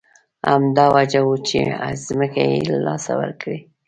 همدا وجه وه چې ځمکه یې له لاسه ورکړه.